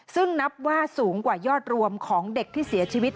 ซึ่งนับว่าสูงกว่ายอดรวมของเด็กที่เสียชีวิต